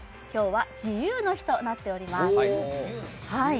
今日は自由の日となっております。